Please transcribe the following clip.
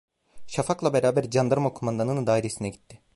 Şafakla beraber candarma kumandanının dairesine gitti…